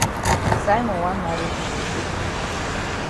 Simon wan maret Mary.